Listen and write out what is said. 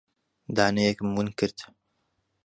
دانەیەکم ون کرد.